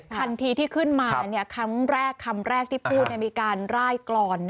ทันทีที่ขึ้นมาคำแรกที่พูดมีการร่ายกรอน